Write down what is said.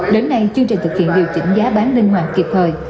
đến nay chương trình thực hiện điều chỉnh giá bán linh hoạt kịp thời